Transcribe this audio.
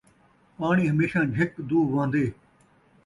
پاݨی ہمیشاں جھِک دو وہندے